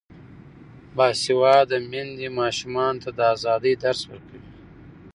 باسواده میندې ماشومانو ته د ازادۍ درس ورکوي.